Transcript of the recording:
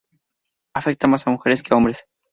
Afecta más a mujeres que a hombres.